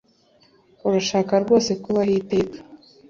Urashaka rwose kubaho iteka